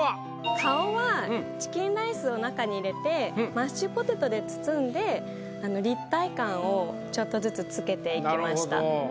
顔はチキンライスを中に入れてマッシュポテトで包んで立体感をちょっとずつ付けていきました。